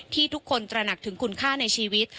ที่ทุกคนตระหนักถึงคุณค่าในชีวิต